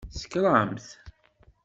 Tsekṛemt!